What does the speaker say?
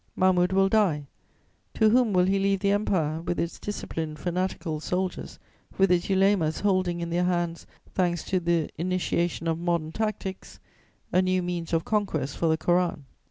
Mahmud will die: to whom will he leave the Empire, with its disciplined, fanatical soldiers, with its ulemas holding in their hands, thanks to the initiation of modern tactics, a new means of conquest for the Koran?